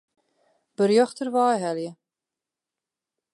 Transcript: Berjocht dêrwei helje.